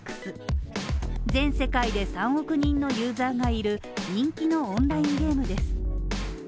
全世界で３億人のユーザーがいる人気のオンラインゲームです。